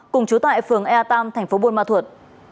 cùng chú tại phường e tam thành phố buôn ma thuột